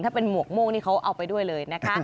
ถ้าเป็นหมวกม่วงนี่เขาเอาไปด้วยเลยนะคะ